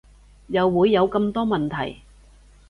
又會有咁多問題